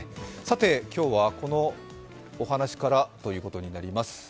さて、今日はこのお話からということになります。